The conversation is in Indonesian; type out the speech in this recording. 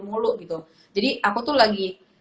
mulu gitu jadi aku tuh lagi